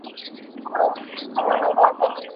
আজকের রাতের কী এমন বিশেষত্ব?